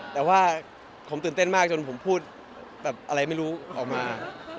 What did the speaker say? แต่ว่าผมตื่นเต้นมากจนผมพูดแบบอะไรไม่รู้ออกมาอะไรอย่างเงี้ยฮะ